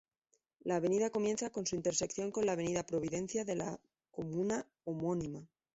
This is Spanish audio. La avenida comienza con su intersección con la avenida Providencia en la comuna homónima.